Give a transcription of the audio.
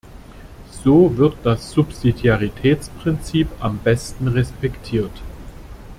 So wird das Subsidiaritätsprinzip am besten respektiert.